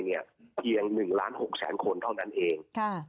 เพียง๑๖๐๐๐๐๐คนเท่านั้นเอง